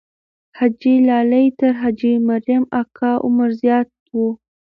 حاجي لالی تر حاجي مریم اکا عمر زیات وو.